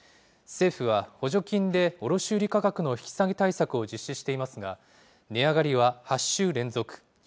政府は補助金で卸売り価格の引き下げ対策を実施していますが、値上がりは８週連続。